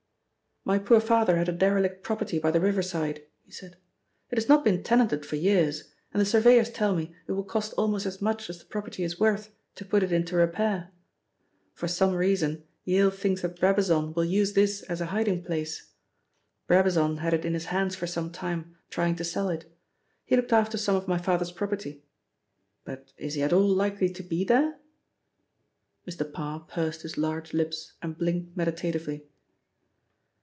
"My poor father had a derelict property by the riverside," he said. "It has not been tenanted for years, and the surveyors tell me it will cost almost as much as the property is worth to put it into repair. For some reason Yale thinks that Brabazon will use this as a hiding place. Brabazon had it in his hands for some time, trying to sell it. He looked after some of my father's property. But is he at all likely to be there?" Mr. Parr pursed his large lips and blinked meditatively.